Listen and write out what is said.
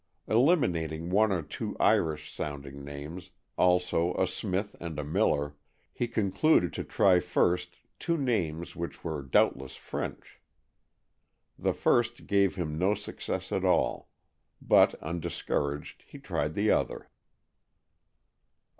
Eliminating one or two Irish sounding names, also a Smith and a Miller, he concluded to try first two names which were doubtless French. The first gave him no success at all, but, undiscouraged, he tried the other.